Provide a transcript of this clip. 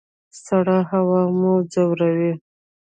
سړه هوا مو ځوروي؟